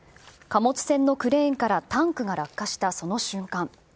貨物船のクレーンからタンクが落下したその瞬間。